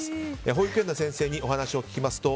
保育園の先生にお話を聞きますと